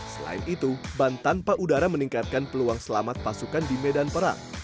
selain itu ban tanpa udara meningkatkan peluang selamat pasukan di medan perang